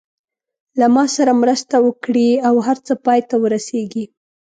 له ما سره مرسته وکړي او هر څه پای ته ورسېږي.